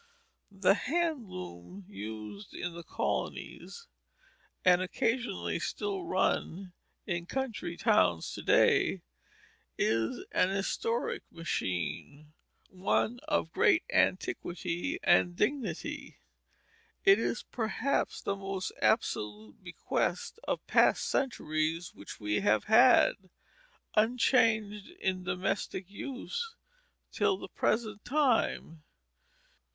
The hand loom used in the colonies, and occasionally still run in country towns to day, is an historic machine, one of great antiquity and dignity. It is, perhaps, the most absolute bequest of past centuries which we have had, unchanged, in domestic use till the present time.